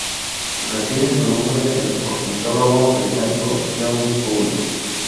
Recibe su nombre del ornitólogo británico John Gould.